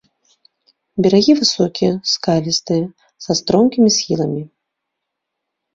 Берагі высокія, скалістыя, са стромкімі схіламі.